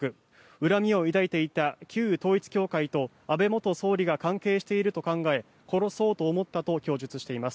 恨みを抱いていた旧統一教会と安倍元総理が関係していると考え殺そうと思ったと供述しています。